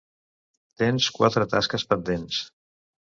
Tens quatre tasques pendents.